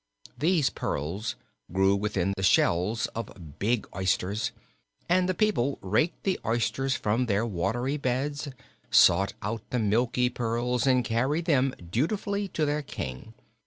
These pearls grew within the shells of big oysters, and the people raked the oysters from their watery beds, sought out the milky pearls and carried them dutifully to their King.